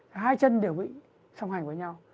hai chân đều bị song hành với nhau